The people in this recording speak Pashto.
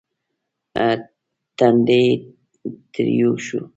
تندی يې تريو شو.